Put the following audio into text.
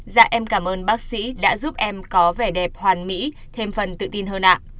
dạ em cảm ơn bác sĩ đã giúp em có vẻ đẹp hoàn mỹ thêm phần tự tin hơn ạ